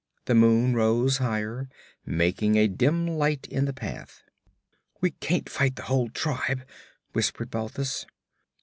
The moon rose higher, making a dim light in the path. 'We can't fight the whole tribe!' whispered Balthus.